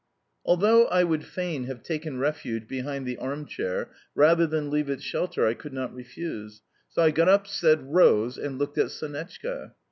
Although I would fain have taken refuge behind the armchair rather than leave its shelter, I could not refuse; so I got up, said, "Rose," and looked at Sonetchka.